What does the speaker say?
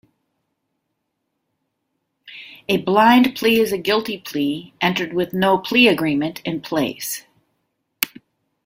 A "blind plea" is a guilty plea entered with no plea agreement in place.